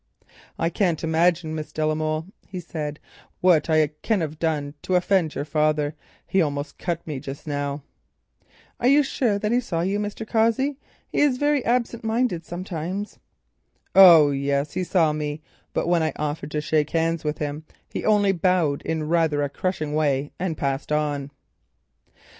"I can't imagine, Miss de la Molle," he said, "what I have done to offend your father—he almost cut me just now." "Are you sure that he saw you, Mr. Cossey; he is very absent minded sometimes?" "Oh yes, he saw me, but when I offered to shake hands with him he only bowed in rather a crushing way and passed on."